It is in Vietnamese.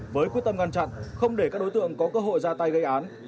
với quyết tâm ngăn chặn không để các đối tượng có cơ hội ra tay gây án